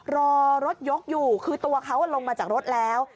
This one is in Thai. รอรถยกอยู่คือตัวเขาลงมาจากรถแล้ว